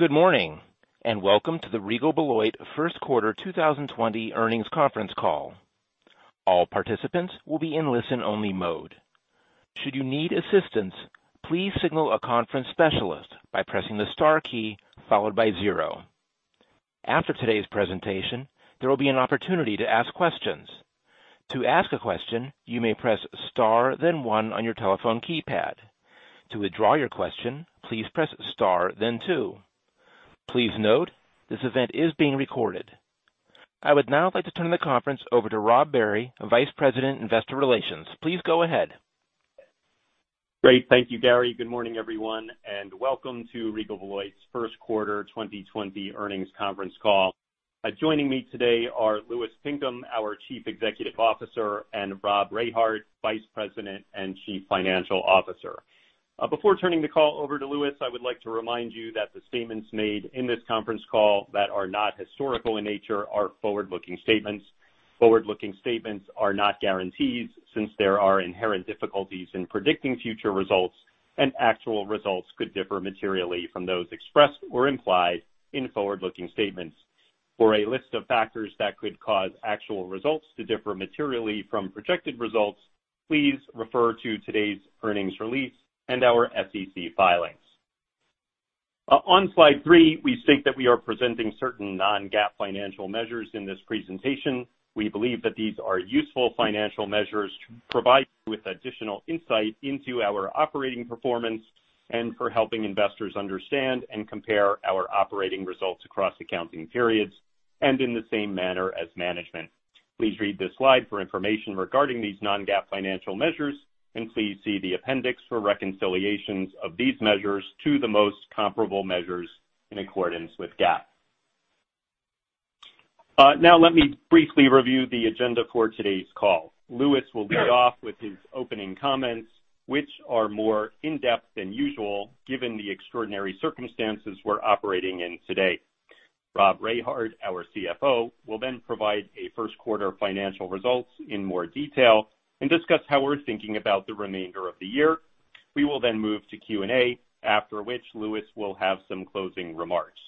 Good morning, and welcome to the Regal Beloit 1st quarter 2020 earnings conference call. All participants will be in listen-only mode. Should you need assistance, please signal a conference specialist by pressing the star key followed by zero. After today's presentation, there will be an opportunity to ask questions. To ask a question, you may press star then one on your telephone keypad. To withdraw your question, please press star then two. Please note, this event is being recorded. I would now like to turn the conference over to Rob Barry, Vice President, Investor Relations. Please go ahead. Great. Thank you, Gary. Good morning everyone, and welcome to Regal Beloit's first quarter 2020 earnings conference call. Joining me today are Louis Pinkham, our Chief Executive Officer, and Rob Rehard, Vice President and Chief Financial Officer. Before turning the call over to Louis, I would like to remind you that the statements made in this conference call that are not historical in nature are forward-looking statements. Forward-looking statements are not guarantees, since there are inherent difficulties in predicting future results, and actual results could differ materially from those expressed or implied in forward-looking statements. For a list of factors that could cause actual results to differ materially from projected results, please refer to today's earnings release and our SEC filings. On slide three, we state that we are presenting certain non-GAAP financial measures in this presentation. We believe that these are useful financial measures to provide you with additional insight into our operating performance and for helping investors understand and compare our operating results across accounting periods and in the same manner as management. Please read this slide for information regarding these non-GAAP financial measures, and please see the appendix for reconciliations of these measures to the most comparable measures in accordance with GAAP. Let me briefly review the agenda for today's call. Louis will lead off with his opening comments, which are more in-depth than usual given the extraordinary circumstances we're operating in today. Rob Rehard, our CFO, will provide a first quarter of financial results in more detail and discuss how we're thinking about the remainder of the year. We will move to Q&A, after which Louis will have some closing remarks.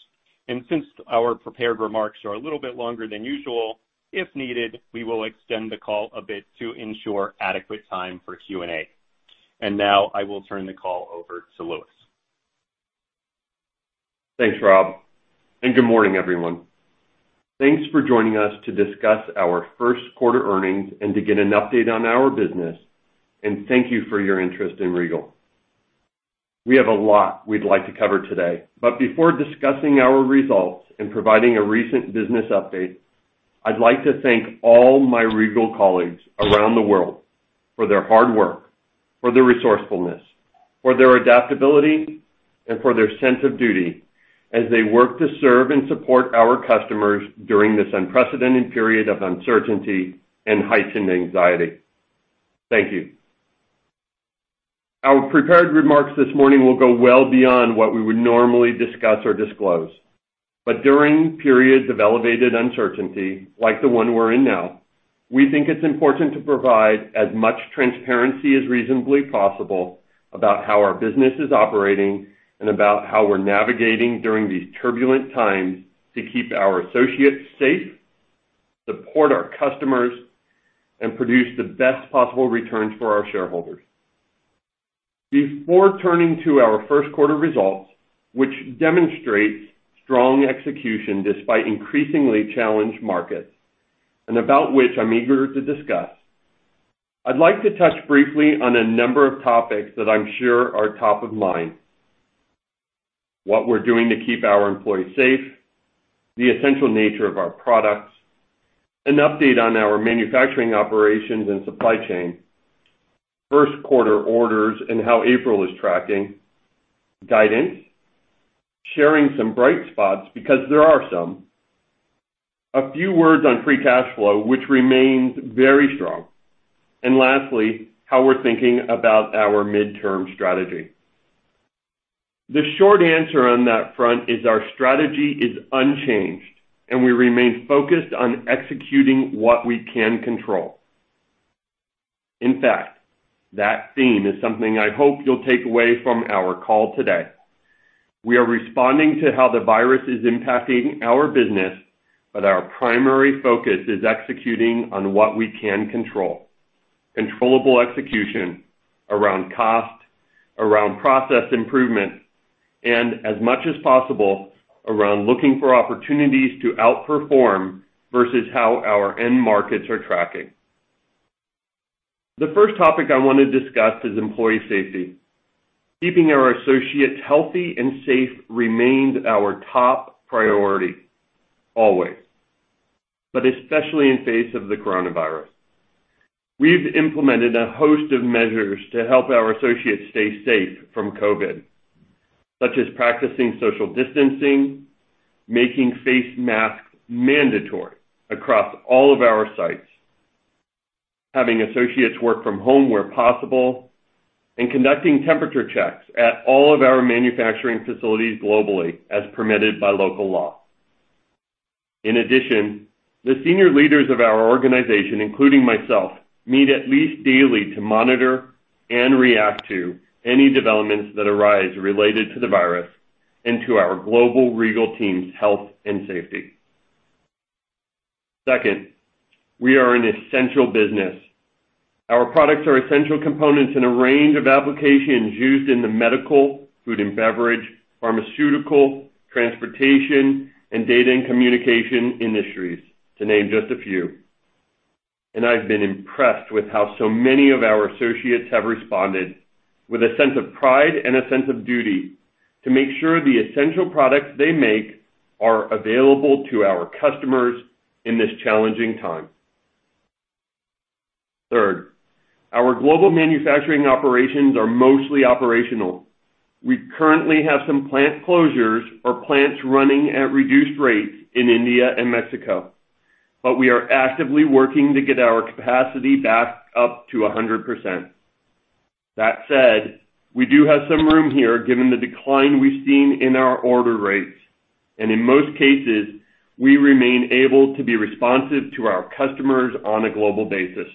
Since our prepared remarks are a little bit longer than usual, if needed, we will extend the call a bit to ensure adequate time for Q&A. Now I will turn the call over to Louis. Thanks, Rob. Good morning everyone. Thanks for joining us to discuss our first quarter earnings and to get an update on our business, and thank you for your interest in Regal. We have a lot we'd like to cover today. Before discussing our results and providing a recent business update, I'd like to thank all my Regal colleagues around the world for their hard work, for their resourcefulness, for their adaptability, and for their sense of duty as they work to serve and support our customers during this unprecedented period of uncertainty and heightened anxiety. Thank you. Our prepared remarks this morning will go well beyond what we would normally discuss or disclose. During periods of elevated uncertainty, like the one we're in now, we think it's important to provide as much transparency as reasonably possible about how our business is operating and about how we're navigating during these turbulent times to keep our associates safe, support our customers, and produce the best possible returns for our shareholders. Before turning to our first quarter results, which demonstrates strong execution despite increasingly challenged markets, and about which I'm eager to discuss, I'd like to touch briefly on a number of topics that I'm sure are top of mind. What we're doing to keep our employees safe, the essential nature of our products, an update on our manufacturing operations and supply chain, first quarter orders and how April is tracking, guidance, sharing some bright spots, because there are some. A few words on free cash flow, which remains very strong. Lastly, how we're thinking about our midterm strategy. The short answer on that front is our strategy is unchanged, and we remain focused on executing what we can control. In fact, that theme is something I hope you'll take away from our call today. We are responding to how the virus is impacting our business, but our primary focus is executing on what we can control. Controllable execution around cost, around process improvement, and as much as possible, around looking for opportunities to outperform versus how our end markets are tracking. The first topic I want to discuss is employee safety. Keeping our associates healthy and safe remains our top priority, always, but especially in face of the coronavirus. We've implemented a host of measures to help our associates stay safe from COVID, such as practicing social distancing, making face masks mandatory across all of our sites, having associates work from home where possible, and conducting temperature checks at all of our manufacturing facilities globally as permitted by local law. In addition, the senior leaders of our organization, including myself, meet at least daily to monitor and react to any developments that arise related to the virus and to our global Regal team's health and safety. Second, we are an essential business. Our products are essential components in a range of applications used in the medical, food and beverage, pharmaceutical, transportation, and data and communication industries, to name just a few. I've been impressed with how so many of our associates have responded with a sense of pride and a sense of duty to make sure the essential products they make are available to our customers in this challenging time. Third, our global manufacturing operations are mostly operational. We currently have some plant closures or plants running at reduced rates in India and Mexico, but we are actively working to get our capacity back up to 100%. That said, we do have some room here, given the decline we've seen in our order rates, and in most cases, we remain able to be responsive to our customers on a global basis.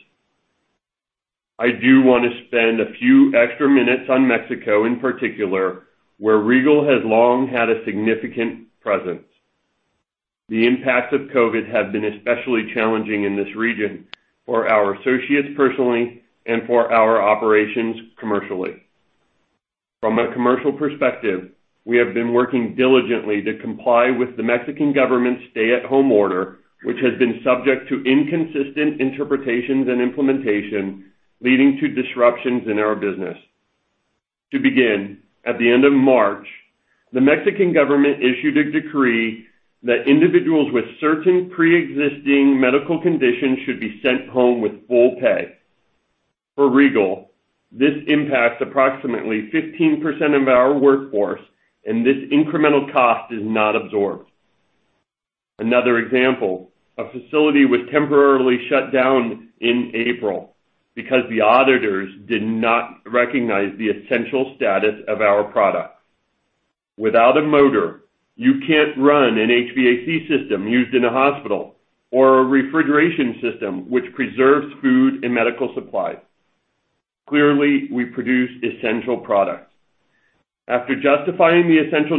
I do want to spend a few extra minutes on Mexico, in particular, where Regal has long had a significant presence. The impacts of COVID have been especially challenging in this region for our associates personally and for our operations commercially. From a commercial perspective, we have been working diligently to comply with the Mexican government's stay-at-home order, which has been subject to inconsistent interpretations and implementation, leading to disruptions in our business. To begin, at the end of March, the Mexican government issued a decree that individuals with certain pre-existing medical conditions should be sent home with full pay. For Regal, this impacts approximately 15% of our workforce, and this incremental cost is not absorbed. Another example, a facility was temporarily shut down in April because the auditors did not recognize the essential status of our product. Without a motor, you can't run an HVAC system used in a hospital or a refrigeration system, which preserves food and medical supplies. Clearly, we produce essential products. After justifying the essential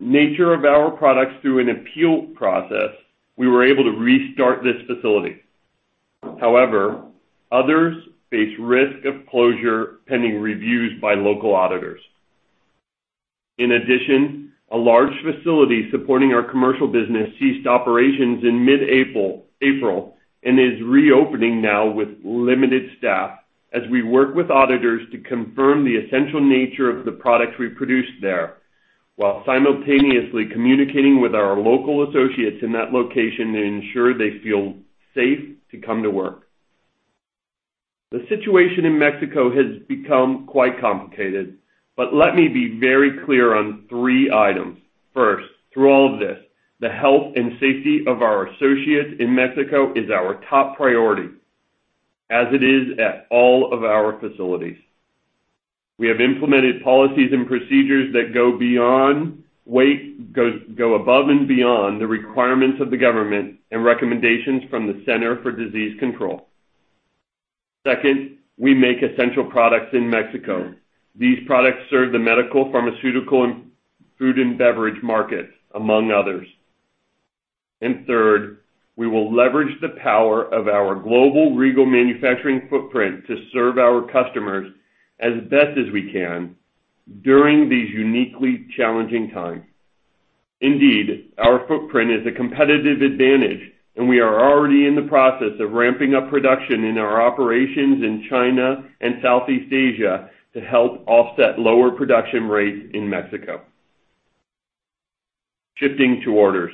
nature of our products through an appeal process, we were able to restart this facility. However, others face risk of closure pending reviews by local auditors. In addition, a large facility supporting our Commercial Systems ceased operations in mid-April and is reopening now with limited staff as we work with auditors to confirm the essential nature of the products we produce there, while simultaneously communicating with our local associates in that location to ensure they feel safe to come to work. The situation in Mexico has become quite complicated, but let me be very clear on three items. First, through all of this, the health and safety of our associates in Mexico is our top priority as it is at all of our facilities. We have implemented policies and procedures that go above and beyond the requirements of the government and recommendations from the Center for Disease Control. Second, we make essential products in Mexico. These products serve the medical, pharmaceutical, and food and beverage markets, among others. Third, we will leverage the power of our global Regal manufacturing footprint to serve our customers as best as we can during these uniquely challenging times. Indeed, our footprint is a competitive advantage, and we are already in the process of ramping up production in our operations in China and Southeast Asia to help offset lower production rates in Mexico. Shifting to orders.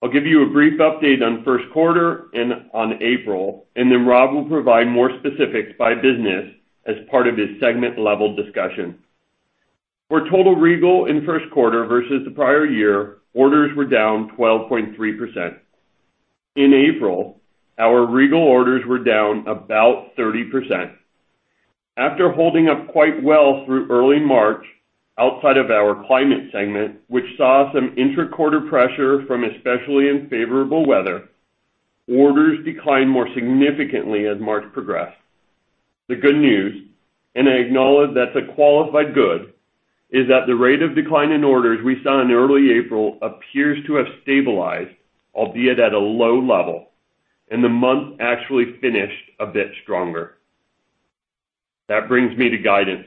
I'll give you a brief update on first quarter and on April, and then Rob will provide more specifics by business as part of his segment-level discussion. For total Regal in first quarter versus the prior year, orders were down 12.3%. In April, our Regal orders were down about 30%. After holding up quite well through early March, outside of our Climate Solutions segment, which saw some intra-quarter pressure from especially unfavorable weather, orders declined more significantly as March progressed. The good news, I acknowledge that's a qualified good, is that the rate of decline in orders we saw in early April appears to have stabilized, albeit at a low level, and the month actually finished a bit stronger. That brings me to guidance.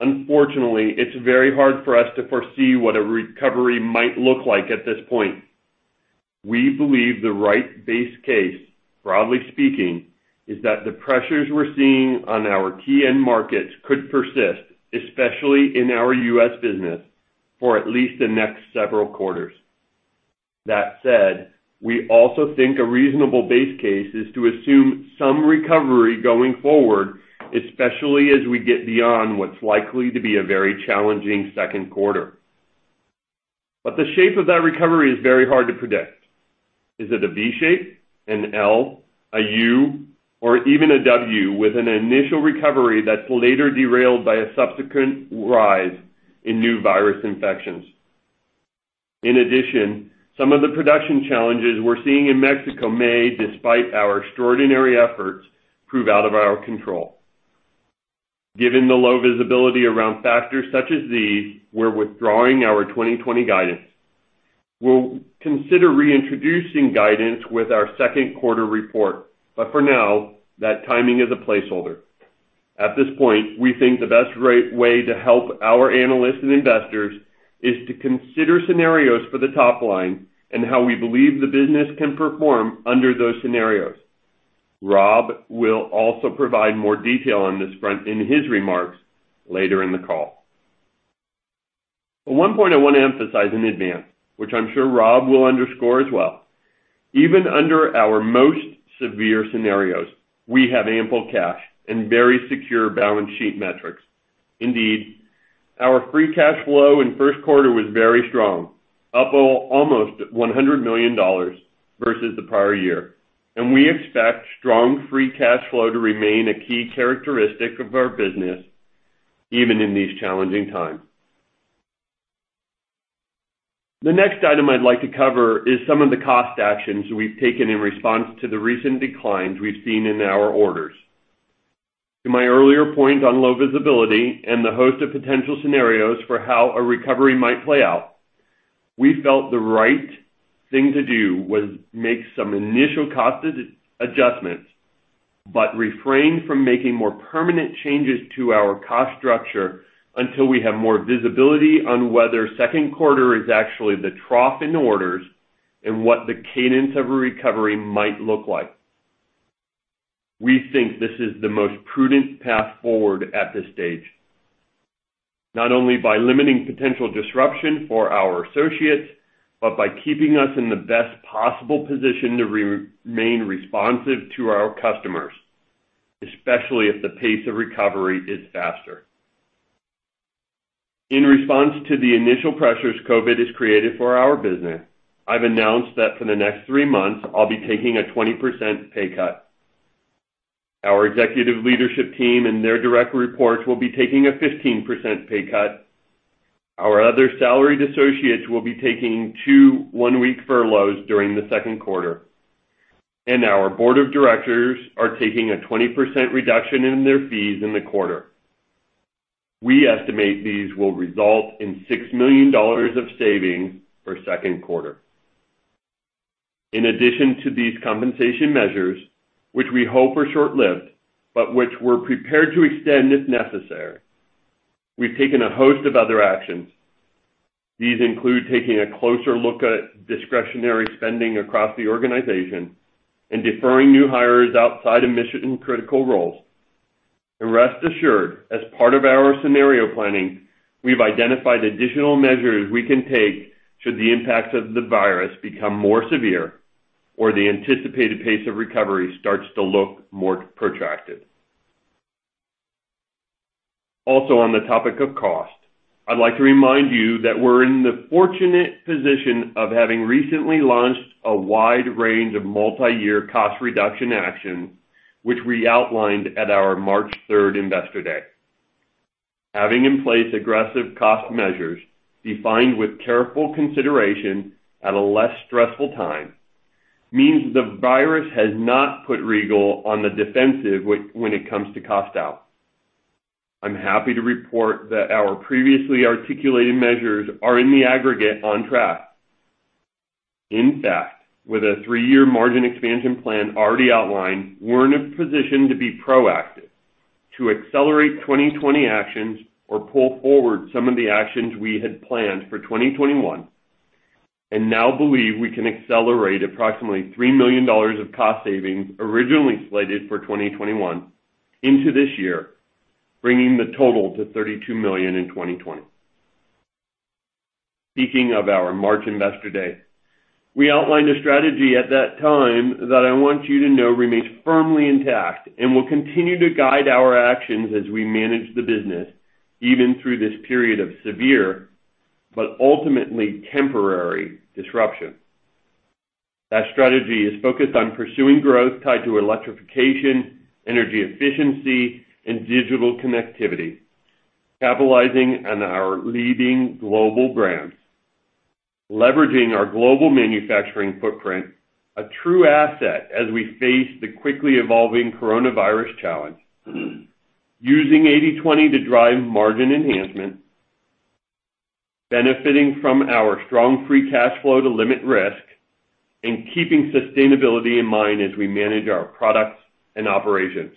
Unfortunately, it's very hard for us to foresee what a recovery might look like at this point. We believe the right base case, broadly speaking, is that the pressures we're seeing on our key end markets could persist, especially in our U.S. business, for at least the next several quarters. That said, we also think a reasonable base case is to assume some recovery going forward, especially as we get beyond what's likely to be a very challenging second quarter. The shape of that recovery is very hard to predict. Is it a V-Shaped, an L, a U, or even a W with an initial recovery that's later derailed by a subsequent rise in new virus infections? In addition, some of the production challenges we're seeing in Mexico may, despite our extraordinary efforts, prove out of our control. Given the low visibility around factors such as these, we're withdrawing our 2020 guidance. We'll consider reintroducing guidance with our second quarter report, but for now, that timing is a placeholder. At this point, we think the best way to help our analysts and investors is to consider scenarios for the top line and how we believe the business can perform under those scenarios. Rob will also provide more detail on this front in his remarks later in the call. One point I want to emphasize in advance, which I'm sure Rob will underscore as well, even under our most severe scenarios, we have ample cash and very secure balance sheet metrics. Indeed, our free cash flow in the first quarter was very strong, up almost $100 million versus the prior year, and we expect strong free cash flow to remain a key characteristic of our business even in these challenging times. The next item I'd like to cover is some of the cost actions we've taken in response to the recent declines we've seen in our orders. To my earlier point on low visibility and the host of potential scenarios for how a recovery might play out, we felt the right thing to do was make some initial cost adjustments, but refrain from making more permanent changes to our cost structure until we have more visibility on whether second quarter is actually the trough in orders and what the cadence of a recovery might look like. We think this is the most prudent path forward at this stage, not only by limiting potential disruption for our associates, but by keeping us in the best possible position to remain responsive to our customers, especially if the pace of recovery is faster. In response to the initial pressures COVID has created for our business, I've announced that for the next three months, I'll be taking a 20% pay cut. Our executive leadership team and their direct reports will be taking a 15% pay cut. Our other salaried associates will be taking two one-week furloughs during the second quarter. Our board of directors are taking a 20% reduction in their fees in the quarter. We estimate these will result in $6 million of savings for the second quarter. In addition to these compensation measures, which we hope are short-lived, but which we're prepared to extend if necessary, we've taken a host of other actions. These include taking a closer look at discretionary spending across the organization and deferring new hires outside of mission-critical roles. Rest assured, as part of our scenario planning, we've identified additional measures we can take should the impact of the virus become more severe or the anticipated pace of recovery starts to look more protracted. Also on the topic of cost, I'd like to remind you that we're in the fortunate position of having recently launched a wide range of multi-year cost reduction actions, which we outlined at our March 3rd Investor Day. Having in place aggressive cost measures, defined with careful consideration at a less stressful time, means the virus has not put Regal on the defensive when it comes to cost out. I'm happy to report that our previously articulated measures are in the aggregate on track. In fact, with a three-year margin expansion plan already outlined, we're in a position to be proactive, to accelerate 2020 actions or pull forward some of the actions we had planned for 2021 and now believe we can accelerate approximately $3 million of cost savings originally slated for 2021 into this year, bringing the total to $32 million in 2020. Speaking of our March Investor Day, we outlined a strategy at that time that I want you to know remains firmly intact and will continue to guide our actions as we manage the business, even through this period of severe, but ultimately temporary disruption. That strategy is focused on pursuing growth tied to electrification, energy efficiency, and digital connectivity, capitalizing on our leading global brands, leveraging our global manufacturing footprint, a true asset as we face the quickly evolving coronavirus challenge, using 80/20 to drive margin enhancements, benefiting from our strong free cash flow to limit risk, and keeping sustainability in mind as we manage our products and operations.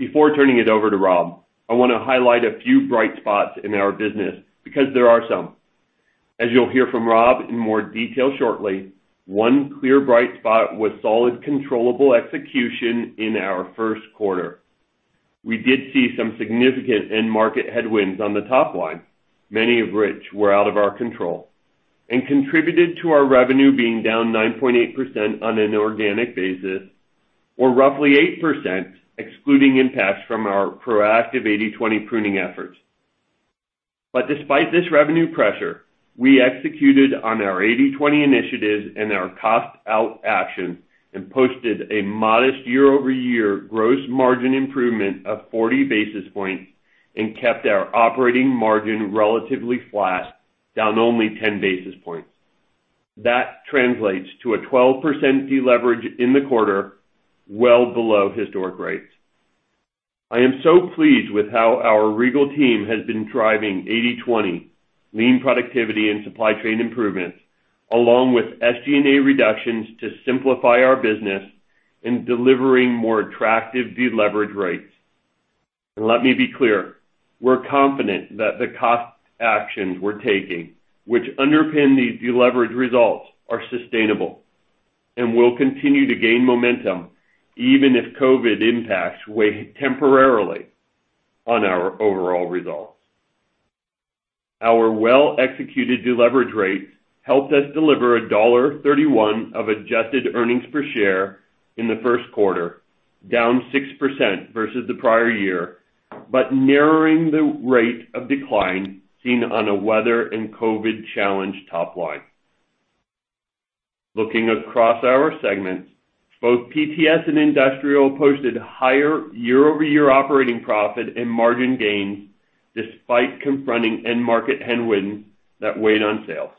Before turning it over to Rob, I want to highlight a few bright spots in our business, because there are some. As you'll hear from Rob in more detail shortly, one clear bright spot was solid controllable execution in our first quarter. We did see some significant end market headwinds on the top line, many of which were out of our control, and contributed to our revenue being down 9.8% on an organic basis-Or roughly 8%, excluding impacts from our proactive 80/20 pruning efforts. Despite this revenue pressure, we executed on our 80/20 initiatives and our cost out actions, and posted a modest year-over-year gross margin improvement of 40 basis points, and kept our operating margin relatively flat, down only 10 basis points. That translates to a 12% deleverage in the quarter, well below historic rates. I am so pleased with how our Regal team has been driving 80/20 lean productivity and supply chain improvements, along with SG&A reductions, to simplify our business and delivering more attractive deleverage rates. Let me be clear, we're confident that the cost actions we're taking, which underpin these deleverage results, are sustainable and will continue to gain momentum even if COVID impacts weigh temporarily on our overall results. Our well-executed deleverage rates helped us deliver $1.31 of adjusted earnings per share in the first quarter, down 6% versus the prior year, but narrowing the rate of decline seen on a weather and COVID-challenged top line. Looking across our segments, both PTS and Industrial posted higher year-over-year operating profit and margin gains despite confronting end market headwinds that weighed on sales.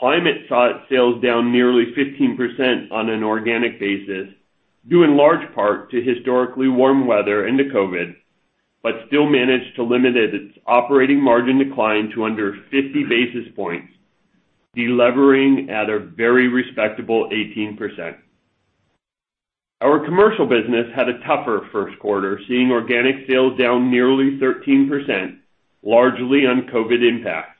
Climate saw its sales down nearly 15% on an organic basis, due in large part to historically warm weather and to COVID, but still managed to limit its operating margin decline to under 50 basis points, delevering at a very respectable 18%. Our commercial business had a tougher first quarter, seeing organic sales down nearly 13%, largely on COVID impacts.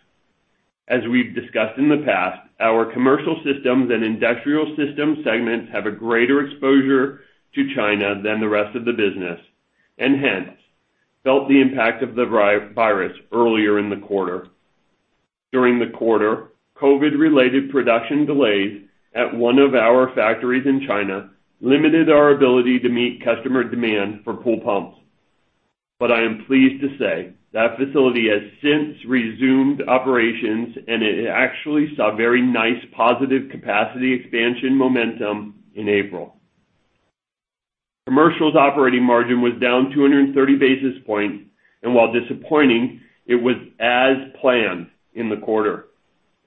As we've discussed in the past, our Commercial Systems and Industrial Systems segments have a greater exposure to China than the rest of the business, and hence, felt the impact of the virus earlier in the quarter. During the quarter, COVID-related production delays at one of our factories in China limited our ability to meet customer demand for pool pumps. I am pleased to say that facility has since resumed operations, and it actually saw very nice positive capacity expansion momentum in April. Commercial's operating margin was down 230 basis points, and while disappointing, it was as planned in the quarter,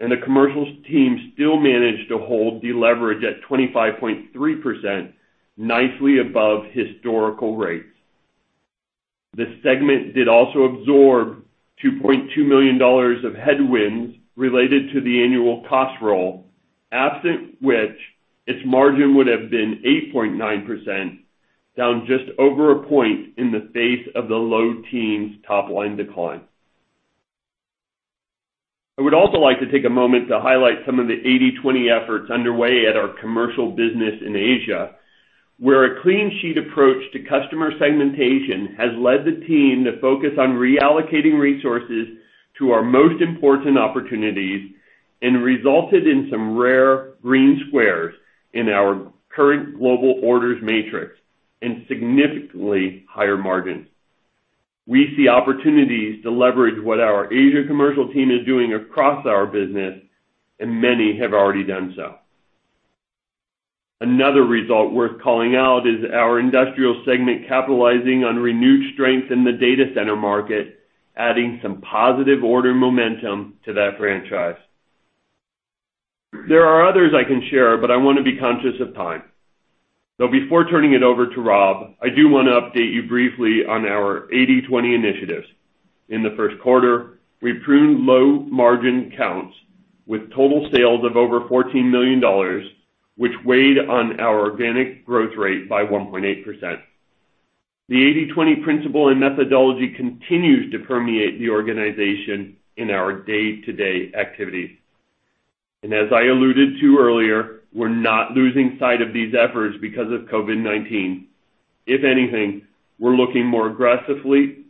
and the commercials team still managed to hold deleverage at 25.3%, nicely above historical rates. This segment did also absorb $2.2 million of headwinds related to the annual cost roll, absent which, its margin would have been 8.9%, down just over a point in the face of the low teens' top-line decline. I would also like to take a moment to highlight some of the 80/20 efforts underway at our commercial business in Asia, where a clean sheet approach to customer segmentation has led the team to focus on reallocating resources to our most important opportunities, and resulted in some rare green squares in our current global orders matrix, and significantly higher margins. We see opportunities to leverage what our Asia commercial team is doing across our business, and many have already done so. Another result worth calling out is our Industrial Systems segment capitalizing on renewed strength in the data center market, adding some positive order momentum to that franchise. There are others I can share, but I want to be conscious of time. Before turning it over to Rob, I do want to update you briefly on our 80/20 initiatives. In the first quarter, we pruned low-margin accounts with total sales of over $14 million, which weighed on our organic growth rate by 1.8%. The 80/20 principle and methodology continues to permeate the organization in our day-to-day activities. As I alluded to earlier, we're not losing sight of these efforts because of COVID-19. If anything, we're looking more aggressively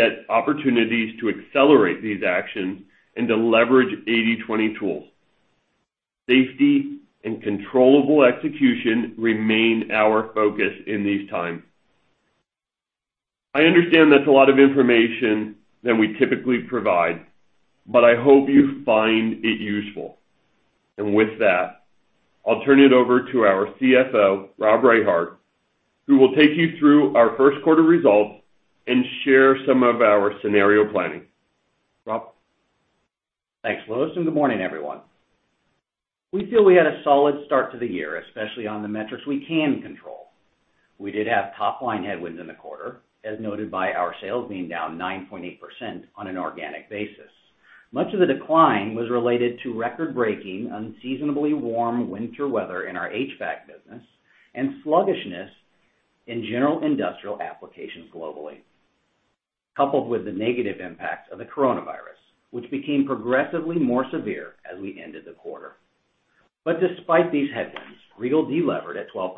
at opportunities to accelerate these actions and to leverage 80/20 tools. Safety and controllable execution remain our focus in these times. I understand that's a lot of information than we typically provide, but I hope you find it useful. With that, I'll turn it over to our CFO, Rob Rehard, who will take you through our first quarter results and share some of our scenario planning. Rob? Thanks, Louis. Good morning, everyone. We feel we had a solid start to the year, especially on the metrics we can control. We did have top-line headwinds in the quarter, as noted by our sales being down 9.8% on an organic basis. Much of the decline was related to record-breaking unseasonably warm winter weather in our HVAC business and sluggishness in general industrial applications globally, coupled with the negative impacts of the coronavirus, which became progressively more severe as we ended the quarter. Despite these headwinds, Regal delevered at 12%,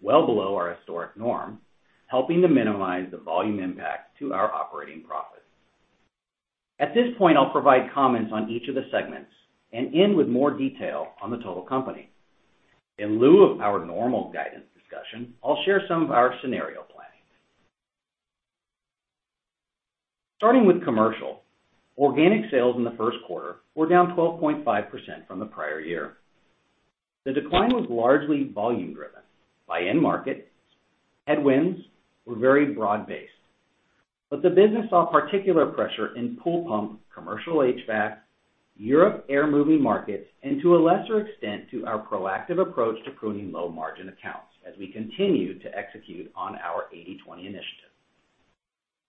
well below our historic norm, helping to minimize the volume impact to our operating profit. At this point, I'll provide comments on each of the segments and end with more detail on the total company. In lieu of our normal guidance discussion, I'll share some of our scenario planning. Starting with Commercial, organic sales in the first quarter were down 12.5% from the prior year. The decline was largely volume-driven by end markets. Headwinds were very broad-based, but the business saw particular pressure in pool pump, commercial HVAC, Europe air moving markets, and to a lesser extent, to our proactive approach to pruning low-margin accounts as we continue to execute on our 80/20 initiative.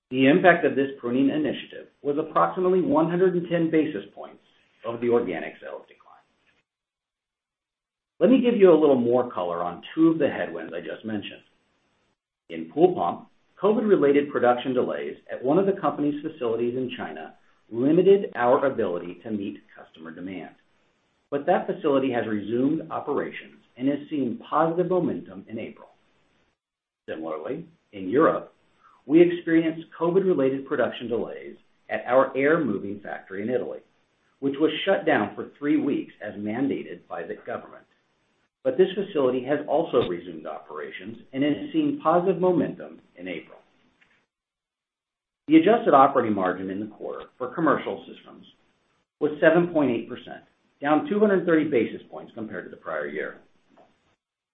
The impact of this pruning initiative was approximately 110 basis points of the organic sales decline. Let me give you a little more color on two of the headwinds I just mentioned. In pool pump, COVID-related production delays at one of the company's facilities in China limited our ability to meet customer demand. That facility has resumed operations and has seen positive momentum in April. Similarly, in Europe, we experienced COVID-related production delays at our air moving factory in Italy, which was shut down for three weeks as mandated by the government. This facility has also resumed operations and has seen positive momentum in April. The adjusted operating margin in the quarter for Commercial Systems was 7.8%, down 230 basis points compared to the prior year.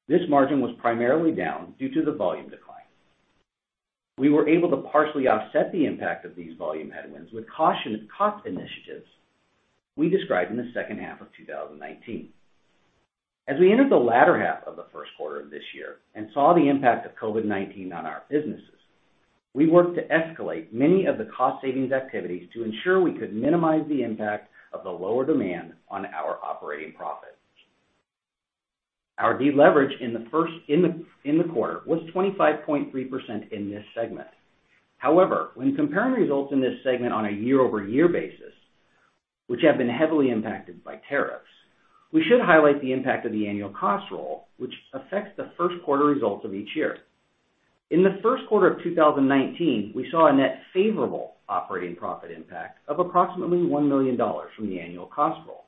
This margin was primarily down due to the volume decline. We were able to partially offset the impact of these volume headwinds with cautious cost initiatives we described in the second half of 2019. As we entered the latter half of the first quarter of this year and saw the impact of COVID-19 on our businesses, we worked to escalate many of the cost-savings activities to ensure we could minimize the impact of the lower demand on our operating profit. Our deleverage in the quarter was 25.3% in this segment. However, when comparing results in this segment on a year-over-year basis, which have been heavily impacted by tariffs, we should highlight the impact of the annual cost roll, which affects the first quarter results of each year. In the first quarter of 2019, we saw a net favorable operating profit impact of approximately $1 million from the annual cost roll,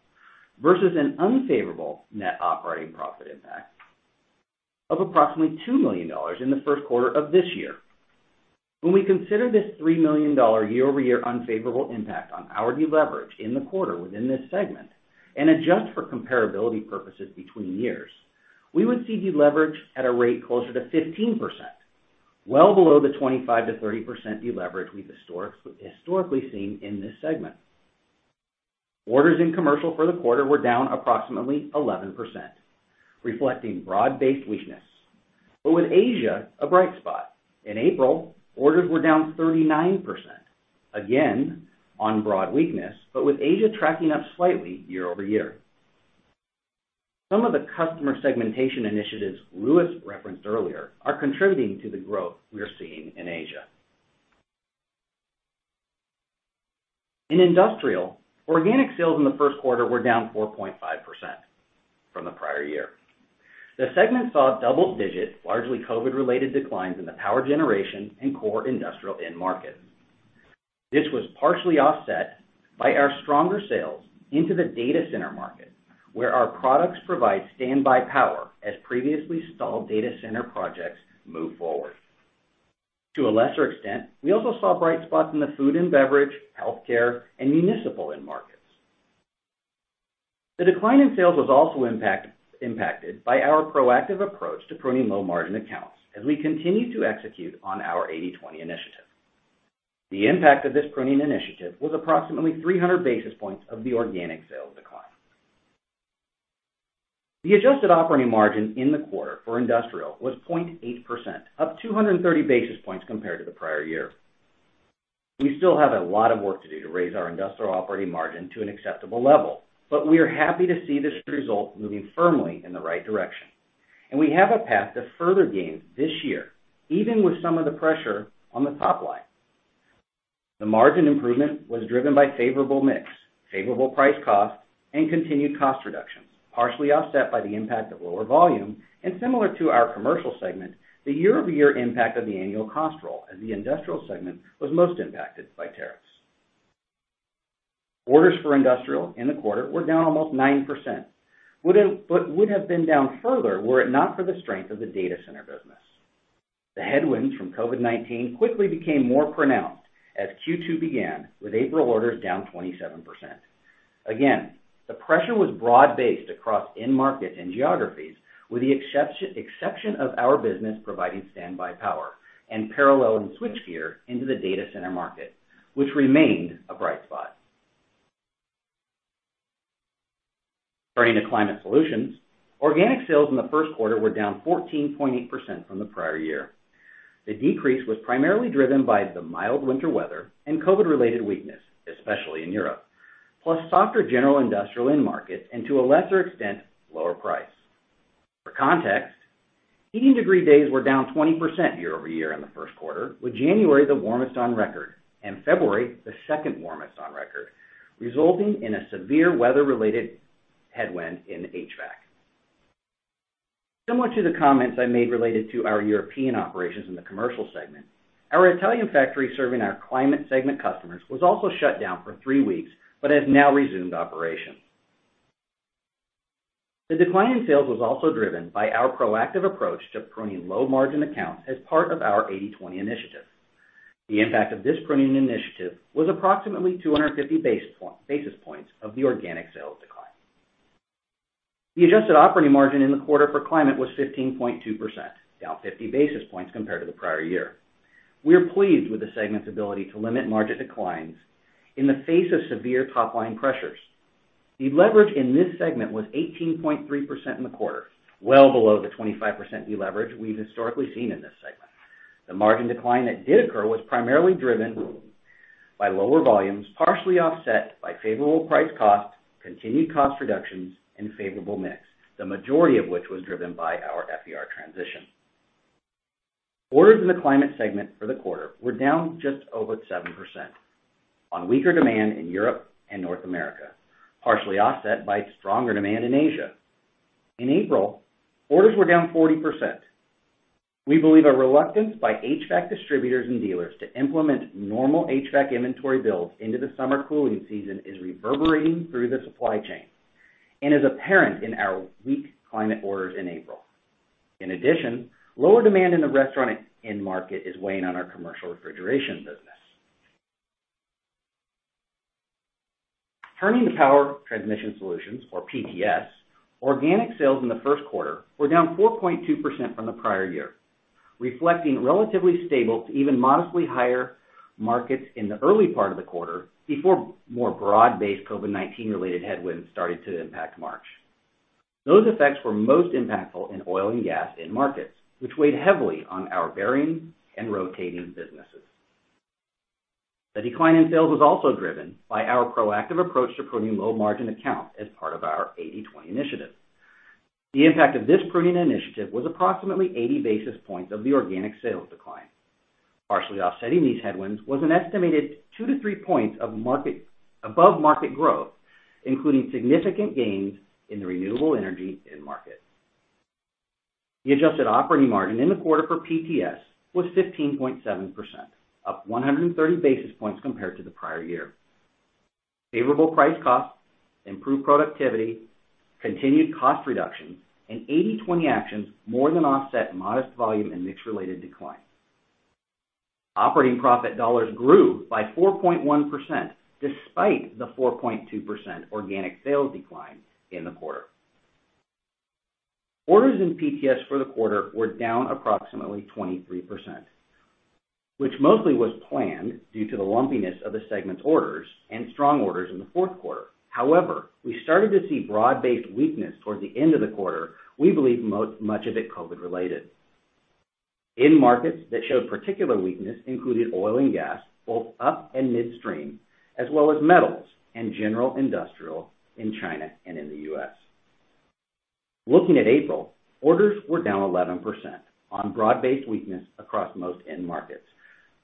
versus an unfavorable net operating profit impact of approximately $2 million in the first quarter of this year. When we consider this $3 million year-over-year unfavorable impact on our deleverage in the quarter within this segment and adjust for comparability purposes between years, we would see deleverage at a rate closer to 15%, well below the 25%-30% deleverage we've historically seen in this segment. Orders in Commercial for the quarter were down approximately 11%, reflecting broad-based weakness, but with Asia a bright spot. In April, orders were down 39%, again on broad weakness, but with Asia tracking up slightly year-over-year. Some of the customer segmentation initiatives Louis referenced earlier are contributing to the growth we are seeing in Asia. In Industrial, organic sales in the first quarter were down 4.5% from the prior year. The segment saw double-digit, largely COVID-related declines in the power generation and core industrial end markets. This was partially offset by our stronger sales into the data center market, where our products provide standby power as previously stalled data center projects move forward. To a lesser extent, we also saw bright spots in the food and beverage, healthcare, and municipal end markets. The decline in sales was also impacted by our proactive approach to pruning low-margin accounts as we continue to execute on our 80-20 initiative. The impact of this pruning initiative was approximately 300 basis points of the organic sales decline. The adjusted operating margin in the quarter for industrial was 0.8%, up 230 basis points compared to the prior year. We still have a lot of work to do to raise our industrial operating margin to an acceptable level. We are happy to see this result moving firmly in the right direction. We have a path to further gains this year, even with some of the pressure on the top line. The margin improvement was driven by favorable mix, favorable price cost, and continued cost reductions, partially offset by the impact of lower volume, similar to our Commercial segment, the year-over-year impact of the annual cost roll as the Industrial segment was most impacted by tariffs. Orders for Industrial in the quarter were down almost 9%, but would have been down further were it not for the strength of the data center business. The headwinds from COVID-19 quickly became more pronounced as Q2 began, with April orders down 27%. The pressure was broad-based across end markets and geographies, with the exception of our business providing standby power and parallel and switchgear into the data center market, which remained a bright spot. Turning to Climate Solutions, organic sales in the first quarter were down 14.8% from the prior year. The decrease was primarily driven by the mild winter weather and COVID-related weakness, especially in Europe, plus softer general industrial end markets, and to a lesser extent, lower price. For context, heating degree days were down 20% year-over-year in the first quarter, with January the warmest on record and February the second warmest on record, resulting in a severe weather-related headwind in HVAC. Similar to the comments I made related to our European operations in the commercial segment, our Italian factory serving our climate segment customers was also shut down for three weeks, but has now resumed operations. The decline in sales was also driven by our proactive approach to pruning low-margin accounts as part of our 80/20 initiative. The impact of this pruning initiative was approximately 250 basis points of the organic sales decline. The adjusted operating margin in the quarter for Climate Solutions was 15.2%, down 50 basis points compared to the prior year. We are pleased with the segment's ability to limit margin declines in the face of severe top-line pressures. The leverage in this segment was 18.3% in the quarter, well below the 25% deleverage we've historically seen in this segment. The margin decline that did occur was primarily driven by lower volumes, partially offset by favorable price cost, continued cost reductions, and favorable mix, the majority of which was driven by our FER transition. Orders in the Climate Solutions segment for the quarter were down just over 7% on weaker demand in Europe and North America, partially offset by stronger demand in Asia. In April, orders were down 40%. We believe a reluctance by HVAC distributors and dealers to implement normal HVAC inventory builds into the summer cooling season is reverberating through the supply chain and is apparent in our weak Climate orders in April. In addition, lower demand in the restaurant end market is weighing on our commercial refrigeration business. Turning to Power Transmission Solutions, or PTS, organic sales in the first quarter were down 4.2% from the prior year, reflecting relatively stable to even modestly higher markets in the early part of the quarter, before more broad-based COVID-19-related headwinds started to impact March. Those effects were most impactful in oil and gas end markets, which weighed heavily on our bearing and rotating businesses. The decline in sales was also driven by our proactive approach to pruning low-margin accounts as part of our 80/20 initiative. The impact of this pruning initiative was approximately 80 basis points of the organic sales decline. Partially offsetting these headwinds was an estimated two to three points above market growth, including significant gains in the renewable energy end market. The adjusted operating margin in the quarter for PTS was 15.7%, up 130 basis points compared to the prior year. Favorable price cost, improved productivity, continued cost reduction, and 80/20 actions more than offset modest volume and mix-related declines. Operating profit dollars grew by 4.1%, despite the 4.2% organic sales decline in the quarter. Orders in PTS for the quarter were down approximately 23%, which mostly was planned due to the lumpiness of the segment's orders and strong orders in the fourth quarter. We started to see broad-based weakness towards the end of the quarter, we believe much of it COVID-related. End markets that showed particular weakness included oil and gas, both up- and midstream, as well as metals and general industrial in China and in the U.S. Looking at April, orders were down 11% on broad-based weakness across most end markets,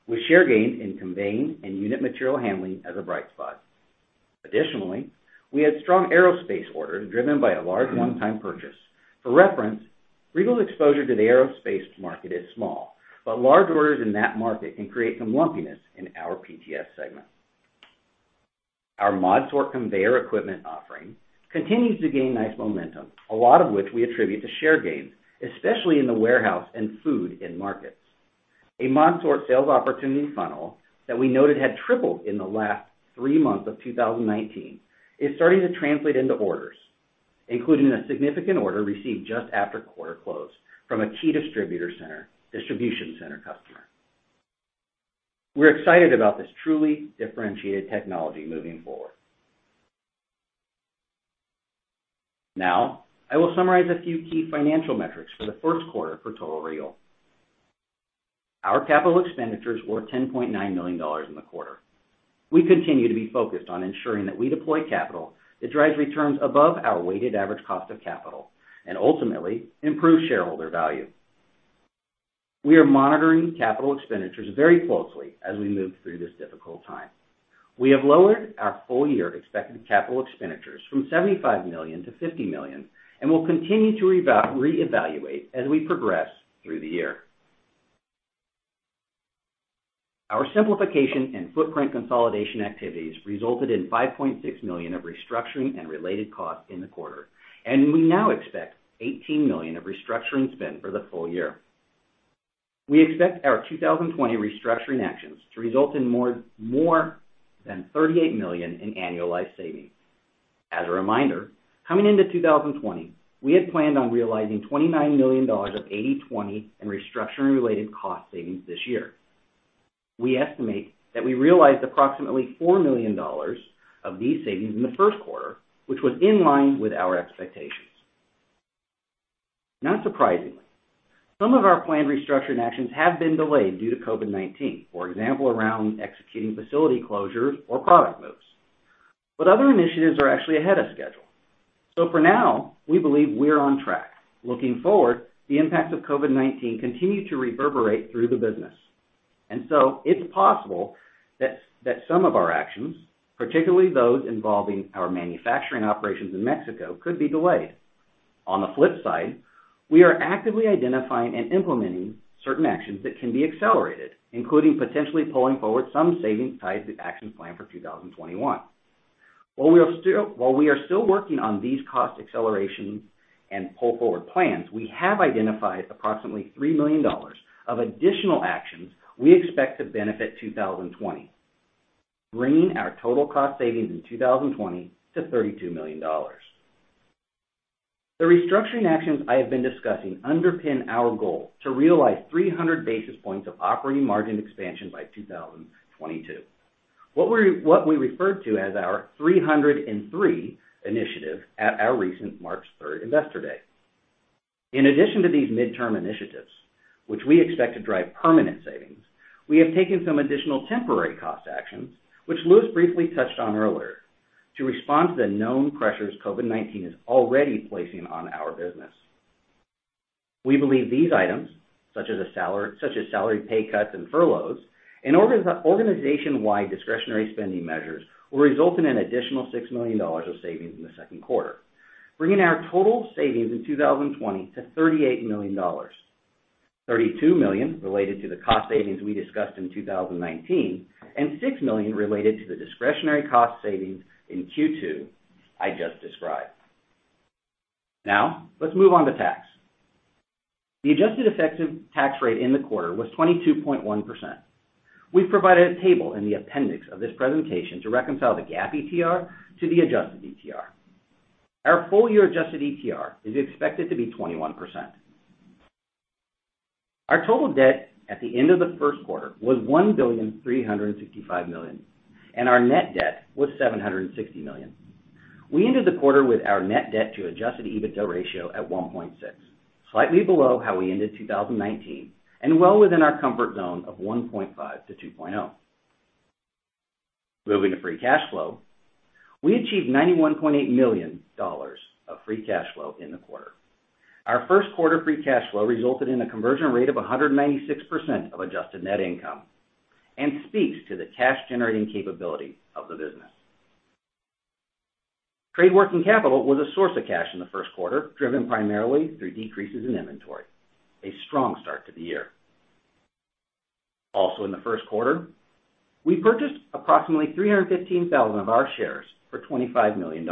with share gains in conveying and unit material handling as a bright spot. Additionally, we had strong aerospace orders driven by a large one-time purchase. For reference, Regal's exposure to the aerospace market is small, but large orders in that market can create some lumpiness in our PTS segment. Our ModSort conveyor equipment offering continues to gain nice momentum, a lot of which we attribute to share gains, especially in the warehouse and food end markets. A ModSort sales opportunity funnel that we noted had tripled in the last three months of 2019 is starting to translate into orders, including a significant order received just after quarter close from a key distribution center customer. We're excited about this truly differentiated technology moving forward. Now, I will summarize a few key financial metrics for the first quarter for total Regal. Our capital expenditures were $10.9 million in the quarter. We continue to be focused on ensuring that we deploy capital that drives returns above our weighted average cost of capital and ultimately improves shareholder value. We are monitoring capital expenditures very closely as we move through this difficult time. We have lowered our full-year expected capital expenditures from $75 million to $50 million, and will continue to reevaluate as we progress through the year. Our simplification and footprint consolidation activities resulted in $5.6 million of restructuring and related costs in the quarter, and we now expect $18 million of restructuring spend for the full year. We expect our 2020 restructuring actions to result in more than $38 million in annualized savings. As a reminder, coming into 2020, we had planned on realizing $29 million of 80/20 and restructuring-related cost savings this year. We estimate that we realized approximately $4 million of these savings in the first quarter, which was in line with our expectations. Not surprisingly, some of our planned restructuring actions have been delayed due to COVID-19, for example, around executing facility closures or product moves. Other initiatives are actually ahead of schedule. For now, we believe we're on track. Looking forward, the impacts of COVID-19 continue to reverberate through the business. It's possible that some of our actions, particularly those involving our manufacturing operations in Mexico, could be delayed. On the flip side, we are actively identifying and implementing certain actions that can be accelerated, including potentially pulling forward some savings tied to actions planned for 2021. While we are still working on these cost acceleration and pull forward plans, we have identified approximately $3 million of additional actions we expect to benefit 2020, bringing our total cost savings in 2020 to $32 million. The restructuring actions I have been discussing underpin our goal to realize 300 basis points of operating margin expansion by 2022. What we referred to as our 300-in-three initiative at our recent March 3rd investor day. In addition to these midterm initiatives, which we expect to drive permanent savings, we have taken some additional temporary cost actions, which Louis briefly touched on earlier, to respond to the known pressures COVID-19 is already placing on our business. We believe these items, such as salary pay cuts and furloughs and organization-wide discretionary spending measures, will result in an additional $6 million of savings in the second quarter, bringing our total savings in 2020 to $38 million. $32 million related to the cost savings we discussed in 2019 and $6 million related to the discretionary cost savings in Q2 I just described. Now let's move on to tax. The adjusted effective tax rate in the quarter was 22.1%. We've provided a table in the appendix of this presentation to reconcile the GAAP ETR to the adjusted ETR. Our full year adjusted ETR is expected to be 21%. Our total debt at the end of the first quarter was $1.365 billion, and our net debt was $760 million. We ended the quarter with our net debt to adjusted EBITDA ratio at 1.6, slightly below how we ended 2019 and well within our comfort zone of 1.5-2.0. Moving to free cash flow. We achieved $91.8 million of free cash flow in the quarter. Our first quarter free cash flow resulted in a conversion rate of 196% of adjusted net income and speaks to the cash generating capability of the business. Trade working capital was a source of cash in the first quarter, driven primarily through decreases in inventory, a strong start to the year. Also in the first quarter, we purchased approximately 315,000 of our shares for $25 million.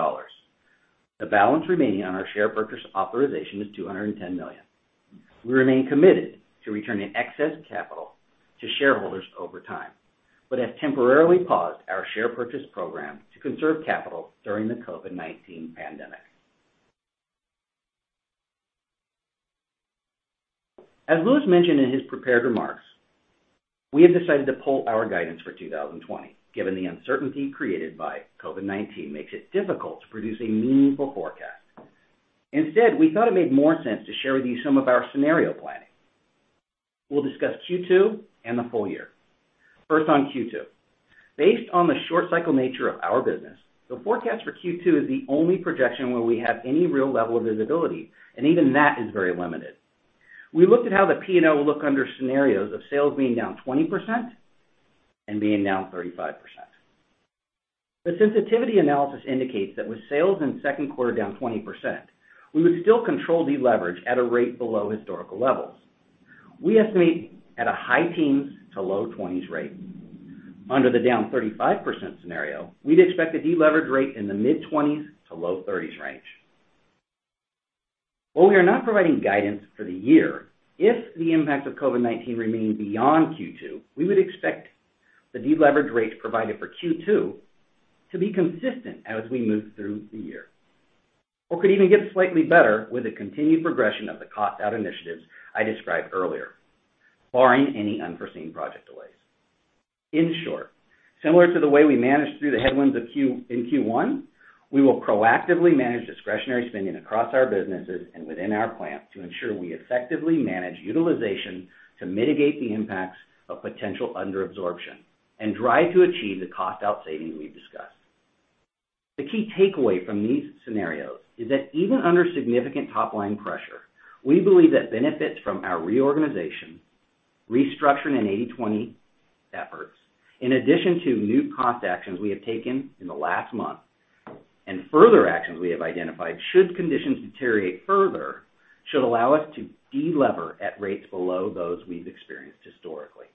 The balance remaining on our share purchase authorization is $210 million. We remain committed to returning excess capital to shareholders over time, but have temporarily paused our share purchase program to conserve capital during the COVID-19 pandemic. As Louis mentioned in his prepared remarks, we have decided to pull our guidance for 2020, given the uncertainty created by COVID-19 makes it difficult to produce a meaningful forecast. Instead, we thought it made more sense to share with you some of our scenario planning. We'll discuss Q2 and the full year. First on Q2. Based on the short cycle nature of our business, the forecast for Q2 is the only projection where we have any real level of visibility, and even that is very limited. We looked at how the P&L will look under scenarios of sales being down 20% and being down 35%. The sensitivity analysis indicates that with sales in second quarter down 20%, we would still control deleverage at a rate below historical levels. We estimate at a high teens to low 20s rate. Under the down 35% scenario, we would expect a deleverage rate in the mid 20s to low 30s range. While we are not providing guidance for the year, if the impacts of COVID-19 remain beyond Q2, we would expect the deleverage rates provided for Q2 to be consistent as we move through the year or could even get slightly better with a continued progression of the cost-out initiatives I described earlier, barring any unforeseen project delays. In short, similar to the way we managed through the headwinds in Q1, we will proactively manage discretionary spending across our businesses and within our plants to ensure we effectively manage utilization to mitigate the impacts of potential under absorption and drive to achieve the cost out saving we've discussed. The key takeaway from these scenarios is that even under significant top-line pressure, we believe that benefits from our reorganization, restructuring, and 80/20 efforts, in addition to new cost actions we have taken in the last month and further actions we have identified should conditions deteriorate further, should allow us to delever at rates below those we've experienced historically.